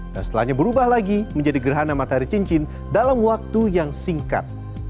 dan setelahnya berubah lagi menjadi gerhana matahari cincin dalam waktu yang singkat